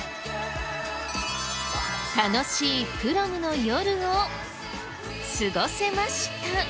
楽しいプロムの夜を過ごせました。